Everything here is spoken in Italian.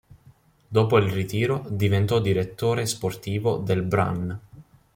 Dopo il ritiro, diventò direttore sportivo del Brann.